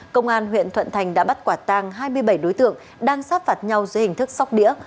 công an huyện thuận thành đã bắt quả tang hai mươi bảy đối tượng đang sát phạt nhau dưới hình thức sóc đĩa